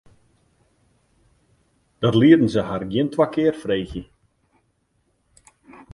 Dat lieten se har gjin twa kear freegje.